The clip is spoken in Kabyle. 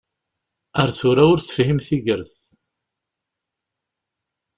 Ar tura ur tefhim tigert.